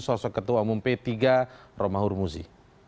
sosok ketua umum p tiga romahur muzi